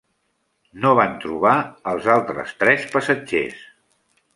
No van trobar els altres tres passatgers.